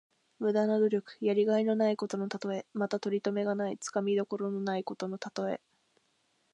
無駄な努力。やりがいのないことのたとえ。また、とりとめがない、つかみどころがないことのたとえ。